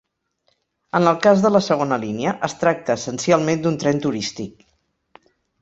En el cas de la segona línia, es tracta essencialment d'un tren turístic.